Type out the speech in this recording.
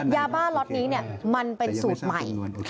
ยาบ้าล็อตนี้มันเป็นสูตรใหม่